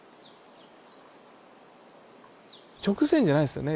直線じゃないんですよね